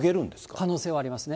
可能性はありますね。